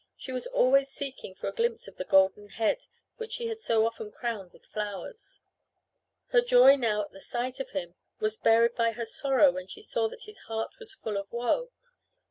She was always seeking for a glimpse of the golden head which she had so often crowned with flowers. Her joy now at the sight of him was buried by her sorrow when she saw that his heart was full of woe.